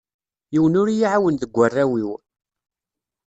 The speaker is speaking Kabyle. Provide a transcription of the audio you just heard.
Yiwen ur i yi-ɛawen deg waraw-iw.